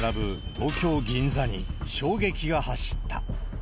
東京・銀座に、衝撃が走った。